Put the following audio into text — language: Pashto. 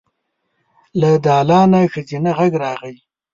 له دالانه ښځينه غږ راغی.